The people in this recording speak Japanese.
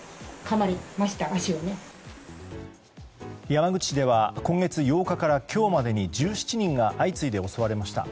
山口市では今月８日から今日までに１７人が相次いで襲われました。